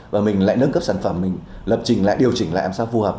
và mình lại nâng cấp sản phẩm mình lập trình lại điều chỉnh lại làm sao phù hợp